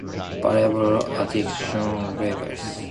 Variable Activation Levels.